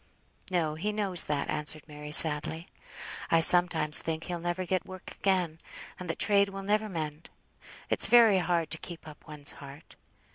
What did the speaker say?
"No; he knows that," answered Mary, sadly. "I sometimes think he'll never get work again, and that trade will never mend. It's very hard to keep up one's heart.